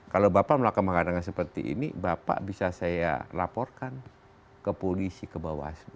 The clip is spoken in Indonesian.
kalau bapak melakukan seperti ini bapak bisa saya laporkan ke polisi ke bawaslu